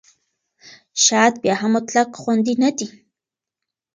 شات بیا هم مطلق خوندي نه دی.